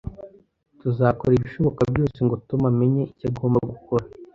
Tuzakora ibishoboka byose ngo Tom amenye icyo agomba gukora